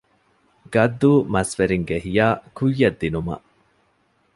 ގައްދޫ މަސްވެރިންގެ ހިޔާ ކުއްޔަށް ދިނުމަށް